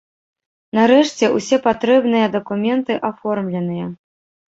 Нарэшце, усе патрэбныя дакументы аформленыя.